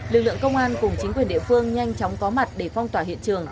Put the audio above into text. lực lượng công an cùng chính quyền địa phương nhanh chóng có mặt để phong tỏa hiện trường